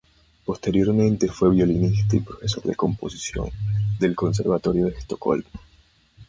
Posteriormente fue violinista y profesor de composición del Conservatorio de Estocolmo.